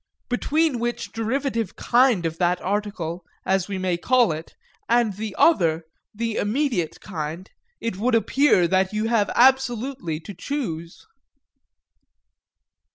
Between which derivative kind of that article, as we may call it, and the other, the immediate kind, it would appear that you have absolutely to choose.